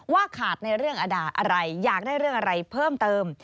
ว่าขาดในเรื่องอดาอะไรอยากได้เรื่องอะไรเพิ่มเติม